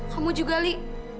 kamu juga li